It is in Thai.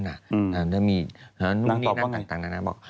แล้วมีนู้นนี้นั่นต่าง